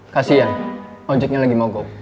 kasian ojeknya lagi mogok